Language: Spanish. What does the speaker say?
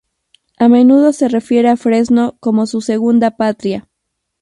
A menudo se refiere a Fresno como su segunda patria.